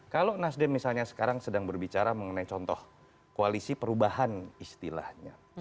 kalau nasdem misalnya sekarang sedang berbicara mengenai contoh koalisi perubahan istilahnya